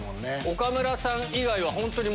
岡村さん以外は本当に。